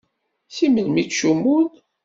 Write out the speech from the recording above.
Si melmi i ttcummun?